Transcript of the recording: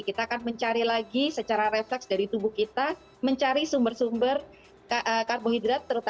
kita akan mencari lagi secara refleks dari tubuh kita mencari sumber sumber karbohidrat